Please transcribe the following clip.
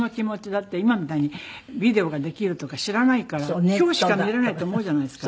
だって今みたいにビデオができるとか知らないから今日しか見れないと思うじゃないですか。